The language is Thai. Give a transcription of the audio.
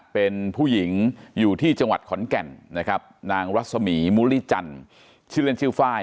เป็นผู้หญิงอยู่ที่จังหวัดขอนแก่นนะครับนางรัศมีมุริจันทร์ชื่อเล่นชื่อไฟล